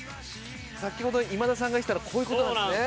先ほど今田さんが言ってたのこういう事なんですね。